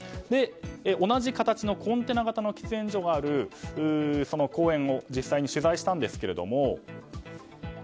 同じ形のコンテナ型の喫煙所がある公園を実際に取材したんですけども。